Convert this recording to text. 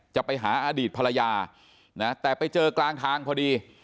จะไปหาอดีตภรรยานะแต่ไปเจอกลางทางพอดี